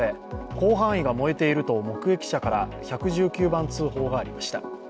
広範囲が燃えていると目撃者から１１９番通報がありました。